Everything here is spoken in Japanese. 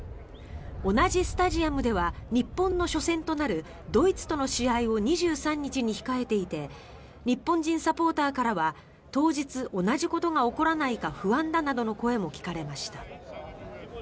同じスタジアムでは日本の初戦となるドイツとの試合を２３日に控えていて日本人サポーターからは当日、同じことが起こらないか不安だなどの声も聞かれました。